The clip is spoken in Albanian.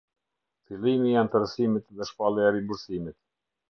Fillimi i anëtarësimit dhe shpallja e rimbursimit.